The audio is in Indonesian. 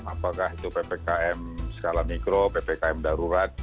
apakah itu ppkm skala mikro ppkm darurat